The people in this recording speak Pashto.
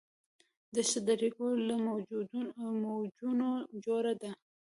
دښته د ریګو له موجونو جوړه ده.